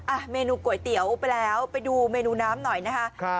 อ่ะเมนูก๋วยเตี๋ยวไปแล้วไปดูเมนูน้ำหน่อยนะคะครับ